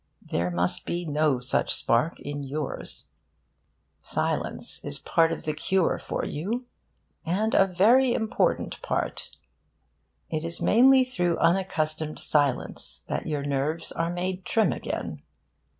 There must be no such spark in yours. Silence is part of the cure for you, and a very important part. It is mainly through unaccustomed silence that your nerves are made trim again.